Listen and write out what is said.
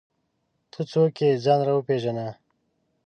ته څوک یې ځان راوپېژنه!